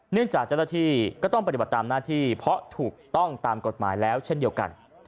จากเจ้าหน้าที่ก็ต้องปฏิบัติตามหน้าที่เพราะถูกต้องตามกฎหมายแล้วเช่นเดียวกัน